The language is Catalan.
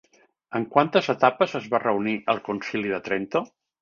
En quantes etapes es va reunir el Concili de Trento?